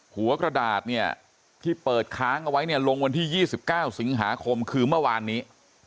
หัวกระดาษเนี่ยที่เปิดค้างเอาไว้เนี่ยลงวันที่๒๙สิงหาคมคือเมื่อวานนี้